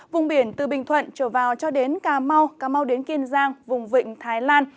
vùng biển từ bình thuận trở vào cho đến cà mau cà mau đến kiên giang vùng vịnh thái lan